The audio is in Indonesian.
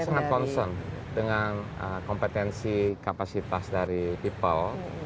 saya sangat concern dengan kompetensi kapasitas dari people